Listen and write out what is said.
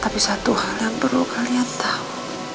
tapi satu hal yang perlu kalian tahu